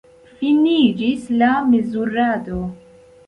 Finiĝis la mezurado.